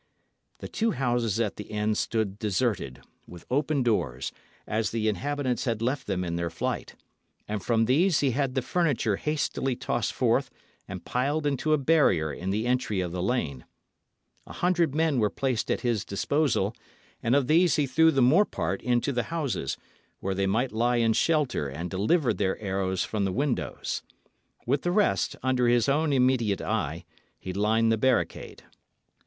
The two houses at the end stood deserted, with open doors, as the inhabitants had left them in their flight, and from these he had the furniture hastily tossed forth and piled into a barrier in the entry of the lane. A hundred men were placed at his disposal, and of these he threw the more part into the houses, where they might lie in shelter and deliver their arrows from the windows. With the rest, under his own immediate eye, he lined the barricade.